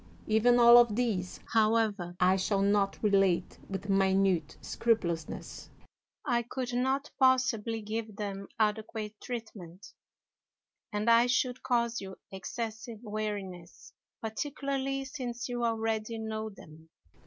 Even all of these, however, I shall not relate with minute scrupulousness. I could not possibly give them adequate treatment, and I should cause you excessive weariness, particularly since you already know them.